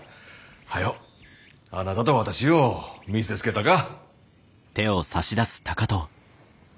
早うあなたと私を見せつけたか。